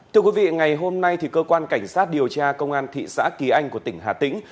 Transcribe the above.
thưa quý vị ngày hôm nay cơ quan cảnh sát điều tra công an thị xã kỳ anh của tỉnh hà tĩnh